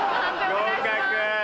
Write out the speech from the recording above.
合格。